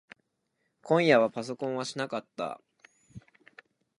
今夜はパソコンはしなかった。